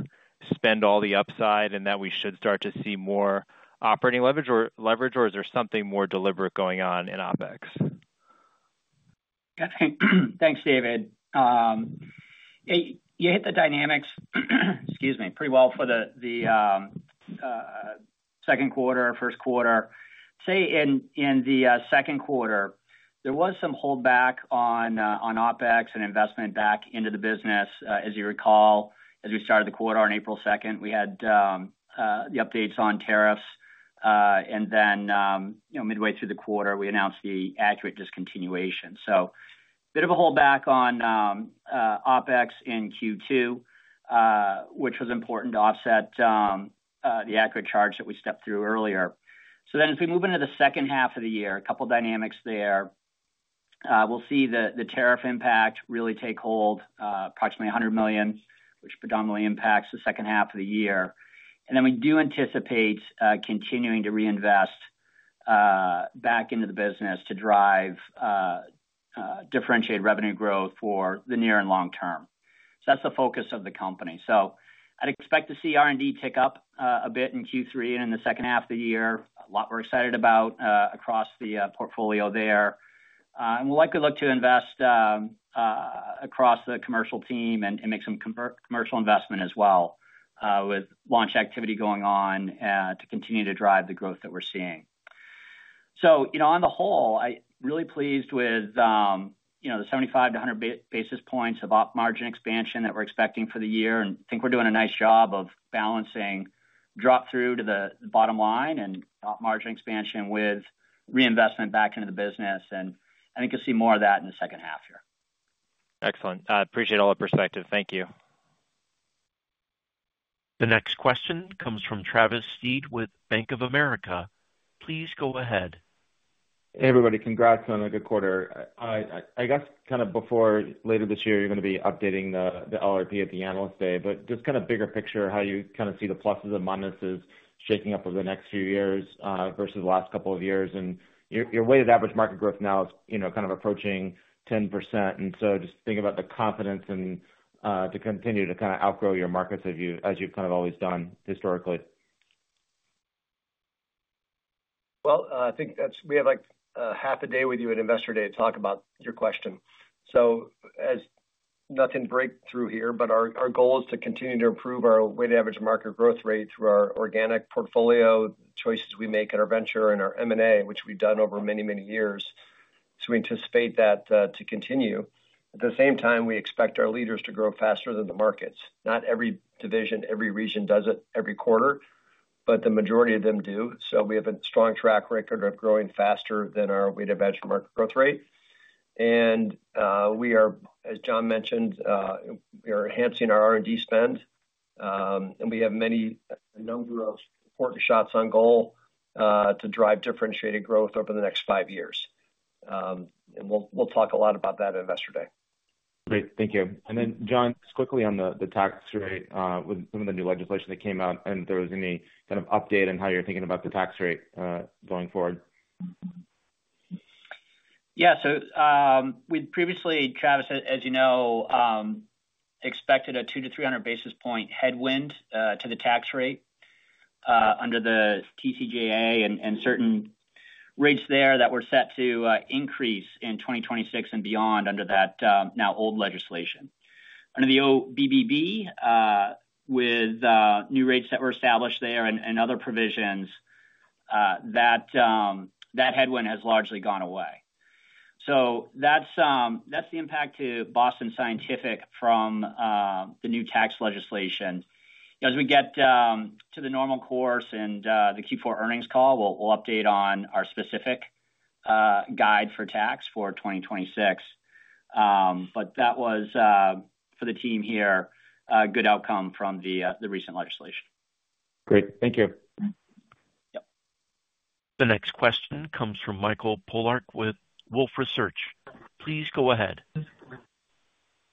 spend all the upside and that we should start to see more operating leverage, or is there something more deliberate going on in OpEx? Thanks, David. You hit the dynamics, excuse me, pretty well for the second quarter, first quarter. Say in the second quarter, there was some holdback on OpEx and investment back into the business. As you recall, as we started the quarter on April 2nd, we had the updates on tariffs. And then midway through the quarter, we announced the ACURATE discontinuation. So a bit of a holdback on OpEx in Q2, which was important to offset the ACURATE charge that we stepped through earlier. As we move into the second half of the year, a couple of dynamics there. We'll see the tariff impact really take hold, approximately $100 million, which predominantly impacts the second half of the year. We do anticipate continuing to reinvest back into the business to drive differentiated revenue growth for the near and long term. That's the focus of the company. I'd expect to see R&D tick up a bit in Q3 and in the second half of the year. A lot we're excited about across the portfolio there. We'll likely look to invest across the commercial team and make some commercial investment as well, with launch activity going on to continue to drive the growth that we're seeing. On the whole, I'm really pleased with the 75 basis point-100 basis points of op margin expansion that we're expecting for the year. I think we're doing a nice job of balancing drop-through to the bottom line and op margin expansion with reinvestment back into the business. I think you'll see more of that in the second half here. Excellent. Appreciate all the perspective. Thank you. The next question comes from Travis Steed with Bank of America. Please go ahead. Hey, everybody. Congrats on a good quarter. I guess kind of before later this year, you're going to be updating the LRP at the analyst day, but just kind of bigger picture of how you kind of see the pluses and minuses shaking up over the next few years versus the last couple of years. And your weighted average market growth now is kind of approaching 10%. And so just think about the confidence and to continue to kind of outgrow your markets as you've kind of always done historically. I think we have like half a day with you at investor day to talk about your question. Nothing breakthrough here, but our goal is to continue to improve our weighted average market growth rate through our organic portfolio, the choices we make in our venture and our M&A, which we've done over many, many years. We anticipate that to continue. At the same time, we expect our leaders to grow faster than the markets. Not every division, every region does it every quarter, but the majority of them do. We have a strong track record of growing faster than our weighted average market growth rate. As Jon mentioned, we are enhancing our R&D spend. We have a number of important shots on goal to drive differentiated growth over the next five years. We'll talk a lot about that at Investor Day. Great. Thank you. And then, Jon, just quickly on the tax rate with some of the new legislation that came out and if there was any kind of update on how you're thinking about the tax rate going forward. Yeah. So. We previously, Travis, as you know, expected a 200 basis point-300 basis point headwind to the tax rate under the TCJA and certain rates there that were set to increase in 2026 and beyond under that now old legislation. Under the OBBB, with new rates that were established there and other provisions, that headwind has largely gone away. So that's the impact to Boston Scientific from the new tax legislation. As we get to the normal course and the Q4 earnings call, we'll update on our specific guide for tax for 2026. That was, for the team here, a good outcome from the recent legislation. Great. Thank you. The next question comes from Michael Pollard with Wolfe Research. Please go ahead.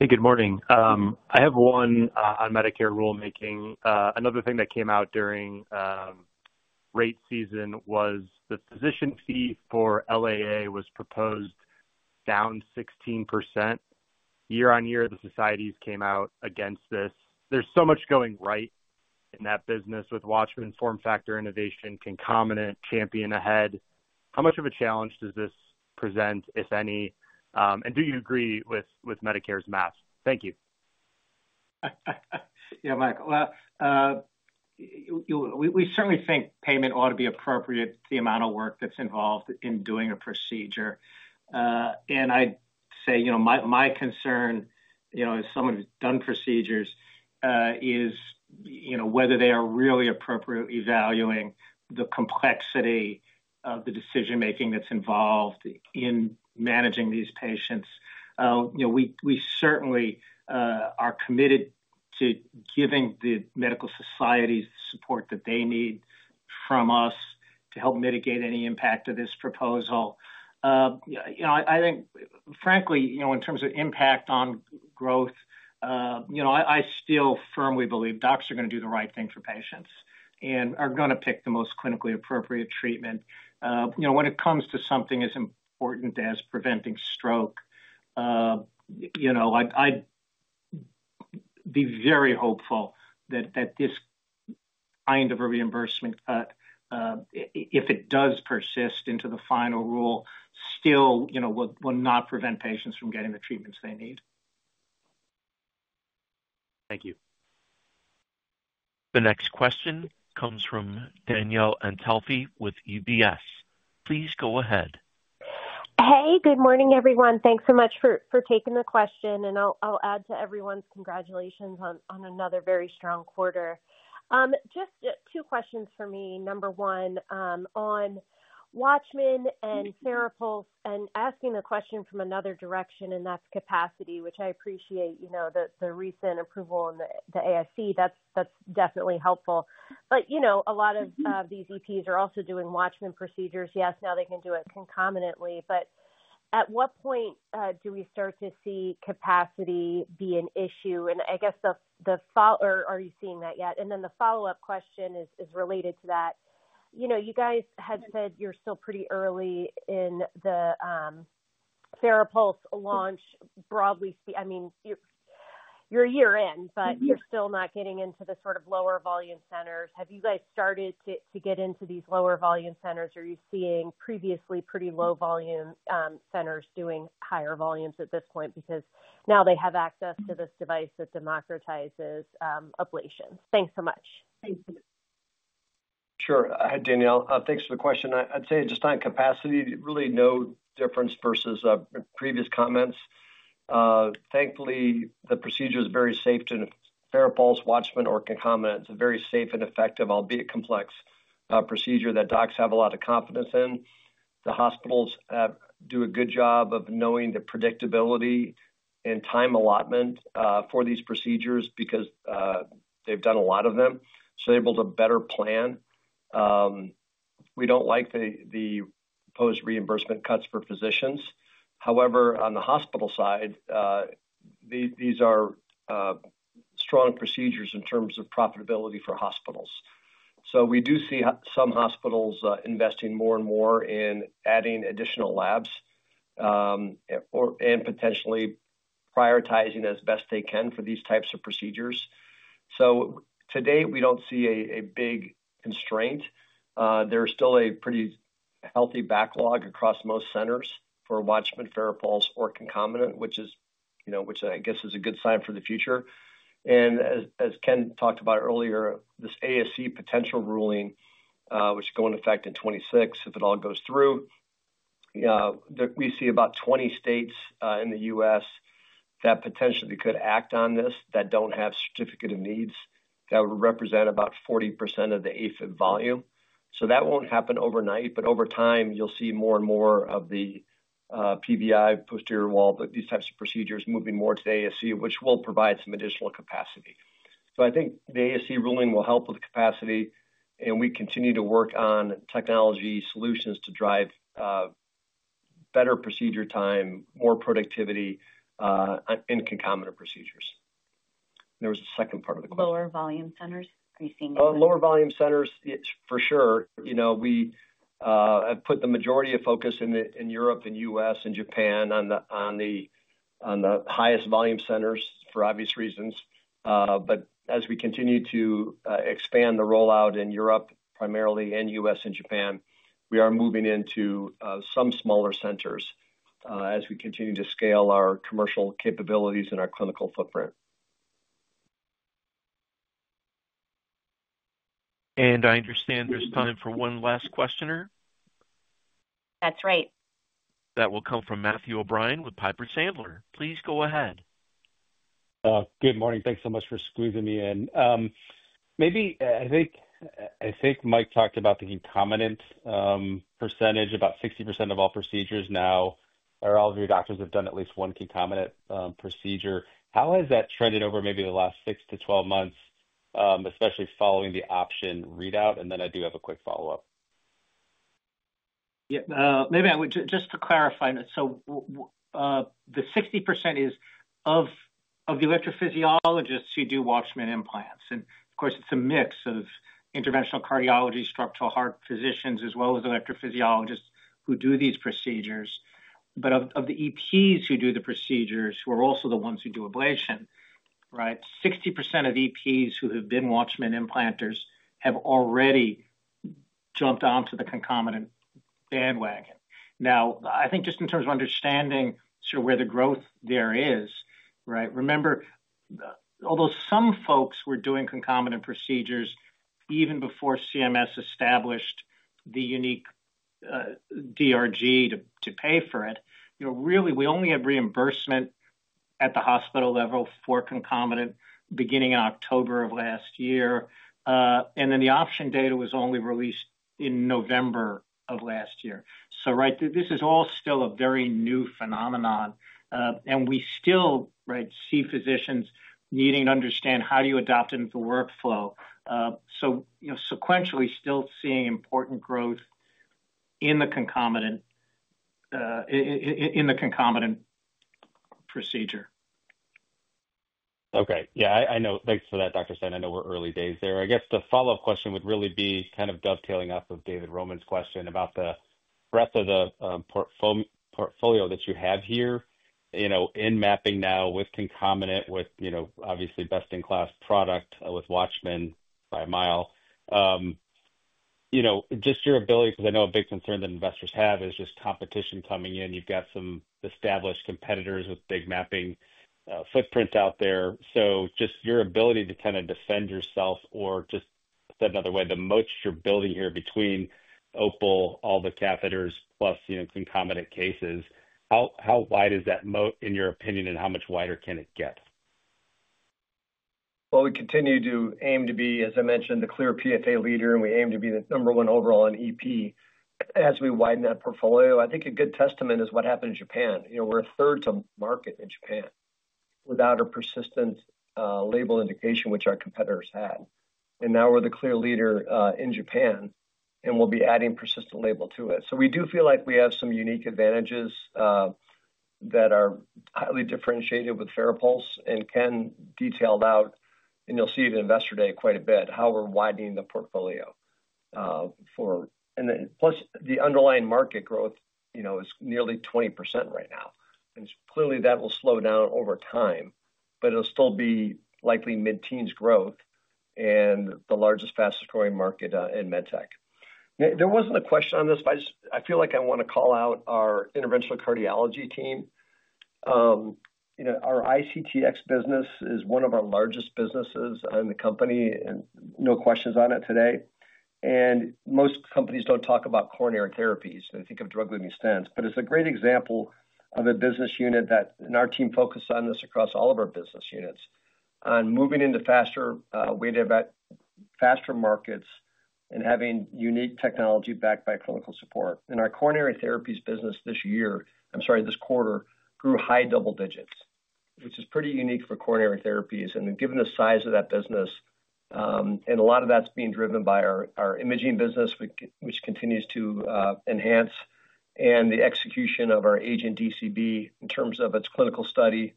Hey, good morning. I have one on Medicare rulemaking. Another thing that came out during rate season was the physician fee for LAA was proposed down 16% year-on-year. The societies came out against this. There's so much going right in that business with WATCHMAN form factor innovation, concomitant champion ahead. How much of a challenge does this present, if any? And do you agree with Medicare's map? Thank you. Yeah, Michael. We certainly think payment ought to be appropriate to the amount of work that's involved in doing a procedure. I'd say my concern, as someone who's done procedures, is whether they are really appropriately valuing the complexity of the decision-making that's involved in managing these patients. We certainly are committed to giving the medical societies the support that they need from us to help mitigate any impact of this proposal. I think, frankly, in terms of impact on growth, I still firmly believe doctors are going to do the right thing for patients and are going to pick the most clinically appropriate treatment. When it comes to something as important as preventing stroke, I'd be very hopeful that this kind of a reimbursement, if it does persist into the final rule, still will not prevent patients from getting the treatments they need. Thank you. The next question comes from Danielle Antalfy with UBS. Please go ahead. Hey, good morning, everyone. Thanks so much for taking the question. I'll add to everyone's congratulations on another very strong quarter. Just two questions for me. Number one, on WATCHMAN and FARAPULSE, and asking the question from another direction, and that's capacity, which I appreciate the recent approval in the ASC. That's definitely helpful. A lot of these EPs are also doing WATCHMAN procedures. Yes, now they can do it concomitantly. At what point do we start to see capacity be an issue? I guess the follow-up, are you seeing that yet? The follow-up question is related to that. You guys had said you're still pretty early in the FARAPULSE launch, broadly speaking. I mean, you're a year in, but you're still not getting into the sort of lower volume centers. Have you guys started to get into these lower volume centers? Are you seeing previously pretty low volume centers doing higher volumes at this point because now they have access to this device that democratizes ablations? Thanks so much. Thanks. Sure. Hi, Danielle. Thanks for the question. I'd say just on capacity, really no difference versus previous comments. Thankfully, the procedure is very safe to FARAPULSE, Watchman, or concomitant. It's a very safe and effective, albeit complex, procedure that docs have a lot of confidence in. The hospitals do a good job of knowing the predictability and time allotment for these procedures because they've done a lot of them. They are able to better plan. We don't like the proposed reimbursement cuts for physicians. However, on the hospital side, these are strong procedures in terms of profitability for hospitals. We do see some hospitals investing more and more in adding additional labs and potentially prioritizing as best they can for these types of procedures. Today, we don't see a big constraint. There's still a pretty healthy backlog across most centers for Watchman, FARAPULSE, or concomitant, which I guess is a good sign for the future. As Ken talked about earlier, this ASC potential ruling, which is going to affect in 2026 if it all goes through, we see about 20 states in the U.S. that potentially could act on this that don't have certificate of needs that would represent about 40% of the AFIB volume. That won't happen overnight, but over time, you'll see more and more of the PVI posterior wall, but these types of procedures moving more to ASC, which will provide some additional capacity. I think the ASC ruling will help with capacity. We continue to work on technology solutions to drive better procedure time, more productivity in concomitant procedures. There was a second part of the question. Lower volume centers? Are you seeing that? Lower volume centers, for sure. We have put the majority of focus in Europe and U.S. and Japan on the highest volume centers for obvious reasons. As we continue to expand the rollout in Europe, primarily in U.S. and Japan, we are moving into some smaller centers as we continue to scale our commercial capabilities and our clinical footprint. I understand there's time for one last questioner. That's right. That will come from Matthew O'Brien with Piper Sandler. Please go ahead. Good morning. Thanks so much for squeezing me in. Maybe I think Mike talked about the concomitant percentage, about 60% of all procedures now, or all of your doctors have done at least one concomitant procedure. How has that trended over maybe the last 6 to 12 months, especially following the OPTION readout? I do have a quick follow-up. Yeah. Maybe I would just to clarify. The 60% is of the electrophysiologists who do WATCHMAN implants. Of course, it's a mix of interventional cardiology, structural heart physicians, as well as electrophysiologists who do these procedures. Of the EPs who do the procedures, who are also the ones who do ablation, right, 60% of EPs who have been WATCHMAN implanters have already jumped onto the concomitant bandwagon. I think just in terms of understanding sort of where the growth there is, right, remember. Although some folks were doing concomitant procedures even before CMS established the unique DRG to pay for it, really, we only have reimbursement at the hospital level for concomitant beginning in October of last year. The OPTION data was only released in November of last year. This is all still a very new phenomenon. We still see physicians needing to understand how do you adopt into the workflow. Sequentially still seeing important growth in the concomitant procedure. Okay. Yeah. Thanks for that, Dr. Stein. I know we're early days there. I guess the follow-up question would really be kind of dovetailing off of David Roman's question about the breadth of the portfolio that you have here. In mapping now with concomitant with obviously best-in-class product with WATCHMAN by a mile. Just your ability, because I know a big concern that investors have is just competition coming in. You've got some established competitors with big mapping footprints out there. Just your ability to kind of defend yourself or just said another way, the moat you're building here between OPAL, all the catheters, plus concomitant cases, how wide is that moat in your opinion, and how much wider can it get? We continue to aim to be, as I mentioned, the clear PFA leader, and we aim to be the number one overall in EP as we widen that portfolio. I think a good testament is what happened in Japan. We are third-to-market in Japan, without a persistent label indication, which our competitors had. Now we are the clear leader in Japan, and we will be adding persistent label to it. We do feel like we have some unique advantages that are highly differentiated with FARAPULSE and Ken detailed out. You will see it in Investor Day quite a bit, how we are widening the portfolio. Plus the underlying market growth is nearly 20% right now. Clearly, that will slow down over time, but it will still be likely mid-teens growth and the largest fastest-growing market in med tech. There was not a question on this, but I feel like I want to call out our interventional cardiology team. Our ICTX business is one of our largest businesses in the company, and no questions on it today. Most companies do not talk about coronary therapies. They think of drug-eluting stents. It is a great example of a business unit that our team focused on this across all of our business units, on moving into faster weight-event, faster markets, and having unique technology backed by clinical support. Our coronary therapies business this year, I am sorry, this quarter, grew high double-digits, which is pretty unique for coronary therapies, given the size of that business. A lot of that is being driven by our imaging business, which continues to enhance, and the execution of our AGENT DCB in terms of its clinical study,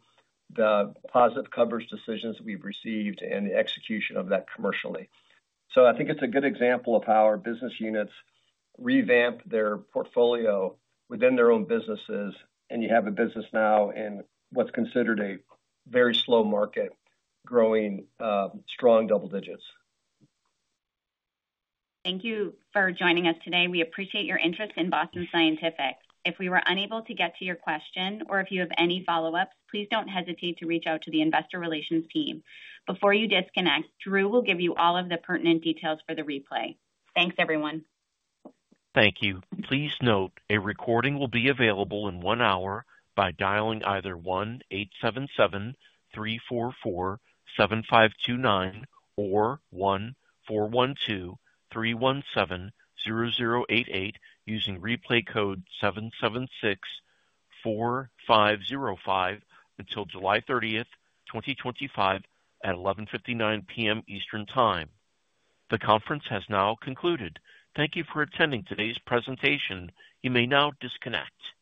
the positive coverage decisions that we have received, and the execution of that commercially. I think it is a good example of how our business units revamp their portfolio within their own businesses. You have a business now in what is considered a very slow market growing strong double-digits. Thank you for joining us today. We appreciate your interest in Boston Scientific. If we were unable to get to your question or if you have any follow-ups, please do not hesitate to reach out to the investor relations team. Before you disconnect, Drew will give you all of the pertinent details for the replay. Thanks, everyone. Thank you. Please note a recording will be available in one hour by dialing either 1-877-344-7529 or 1-412-317-0088 using replay code 776-4505 until July 30th, 2025 at 11:59 P.M. Eastern Time. The conference has now concluded. Thank you for attending today's presentation. You may now disconnect.